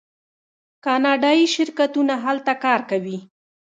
کاناډایی شرکتونه هلته کار کوي.